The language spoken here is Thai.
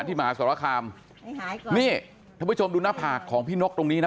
มหาสรคามนี่ท่านผู้ชมดูหน้าผากของพี่นกตรงนี้นะ